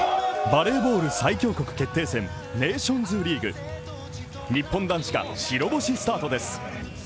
バレーボール最強国決定戦ネーションズリーグ日本男子が白星スタートです